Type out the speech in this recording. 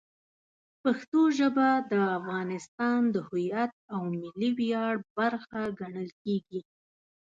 پښتو ژبه د افغانستان د هویت او ملي ویاړ برخه ګڼل کېږي.